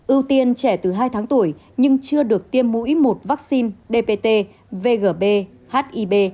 ưu tiên trẻ từ hai tháng tuổi nhưng chưa được tiêm mũi một vắc xin dpt vgb hib